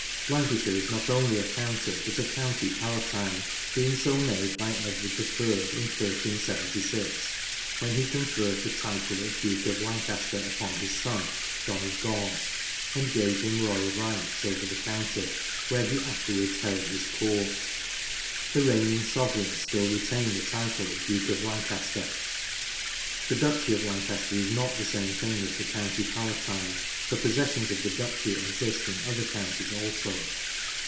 Lancashire is not only a county but a county palatine, being so made by Edward III in 1376 when he conferred the title of Duke of Lancaster upon his son, John of Gaunt, and gave him royal rights over the county where he afterwards held his court. The reigning sovereigns still retain the title of Duke of Lancaster. The duchy of Lancaster is not the same thing as the county pala tine, for possessions of the duchy exist in other counties also.